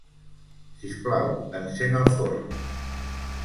Sisplau, encén el forn.